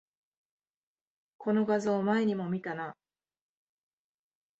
この画像、前にも見たな